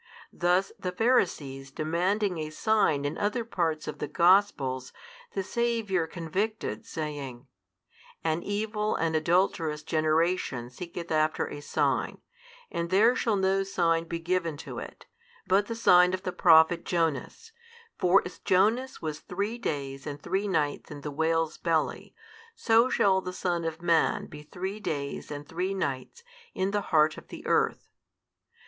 Thus the Pharisees demanding a sign in other parts of |162 the Gospels the Saviour convicted saying, An evil and adulterous generation seeketh after a sign, and there shall no sign be given to it, but the sign of the prophet Jonas: for as Jonas was three days and three nights in the whale's belly, so shall the Son of man be three days and three nights in the heart of the earth.